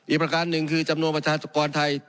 ประการหนึ่งคือจำนวนประชาสกรไทย